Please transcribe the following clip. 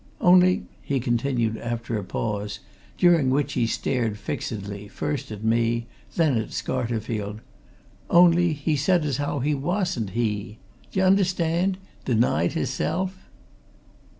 "Only," he continued, after a pause, during which he stared fixedly, first at me, then at Scarterfield. "Only he said as how he wasn't he! D'ye understand? Denied his self!"